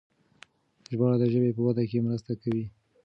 ژباړه د ژبې په وده کې مرسته کوي.